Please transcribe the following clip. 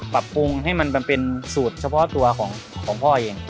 ปรับปรุงให้มันเป็นสูตรเฉพาะตัวของพ่อเอง